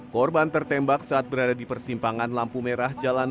korban tertembak saat berada di persimpangan lampu merah jalan